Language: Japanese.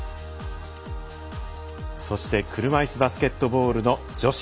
そして車いすバスケットボールの女子。